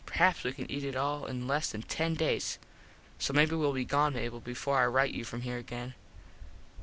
Perhaps we can eat it all in less than ten days. So maybe well be gone, Mable, before I rite you from here again.